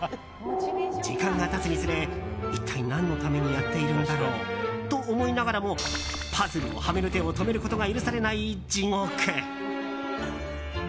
時間が経つにつれ一体何のためにやっているんだろう？と思いながらもパズルをはめる手を止めることが許されない地獄。